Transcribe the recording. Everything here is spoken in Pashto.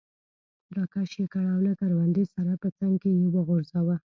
را کش یې کړ او له کروندې سره په څنګ کې یې وغورځاوه.